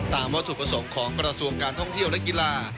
ตามว่าถูกผสมของกระทรวงการท่องเที่ยวและกีฬา